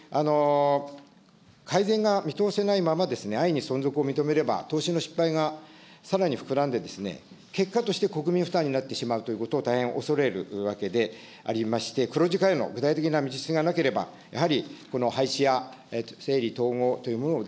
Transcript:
改善が見通せないまま、安易に存続を認めれば、投資の失敗がさらに膨らんでですね、結果として国民負担になってしまうということを大変恐れるわけでありまして、黒字化への具体的な道筋がなければ、やはりこの廃止や整理統合というものを、